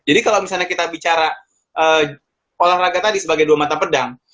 kalau misalnya kita bicara olahraga tadi sebagai dua mata pedang